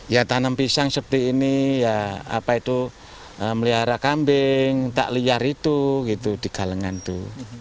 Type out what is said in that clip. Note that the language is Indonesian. ya tanam pisang seperti ini melihara kambing tak liar itu gitu